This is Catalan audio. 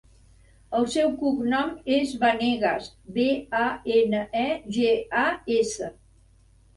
El seu cognom és Banegas: be, a, ena, e, ge, a, essa.